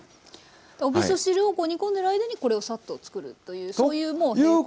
おみそ汁を煮込んでる間にこれをサッと作るというそういうもう並行が。